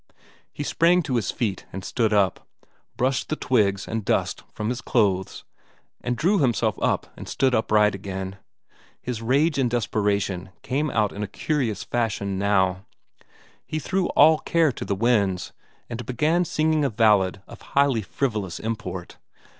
He sprang to his feet and stood up. Brushed the twigs and dust from his clothes and drew himself up and stood upright again. His rage and desperation came out in a curious fashion now: he threw all care to the winds, and began singing a ballad of highly frivolous import.